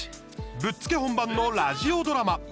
ぶっつけ本番のラジオドラマ。